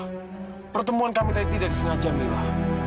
mila pertemuan kami tadi tidak disengaja mila